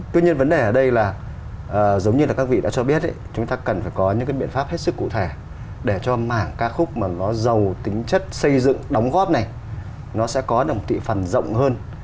tuy nhiên vấn đề ở đây là giống như là các vị đã cho biết chúng ta cần phải có những cái biện pháp hết sức cụ thể để cho mảng ca khúc mà nó giàu tính chất xây dựng đóng góp này nó sẽ có đồng tị phần rộng hơn